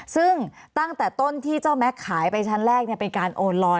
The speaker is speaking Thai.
ซึ่งตั้งแต่ต้นที่เจ้าแม็กซ์ขายไปชั้นแรกเป็นการโอนลอย